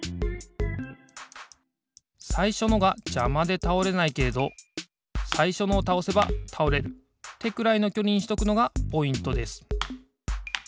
さいしょのがじゃまでたおれないけれどさいしょのをたおせばたおれるってくらいのきょりにしとくのがポイントです。